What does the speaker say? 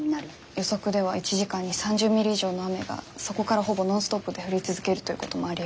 予測では１時間に３０ミリ以上の雨がそこからほぼノンストップで降り続けるということもありえます。